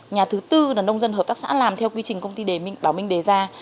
nhà thứ bốn là nông dân hợp tác xã làm theo quy trình công ty bảo minh đề ra